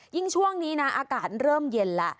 ยิ่งช่วงนี้นะอากาศเริ่มเย็นละ